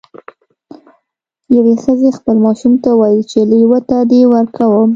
یوې ښځې خپل ماشوم ته وویل چې لیوه ته دې ورکوم.